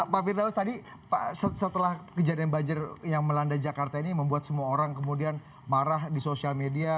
pak firdaus tadi setelah kejadian banjir yang melanda jakarta ini membuat semua orang kemudian marah di sosial media